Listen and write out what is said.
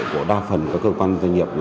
của đa phần các cơ quan doanh nghiệp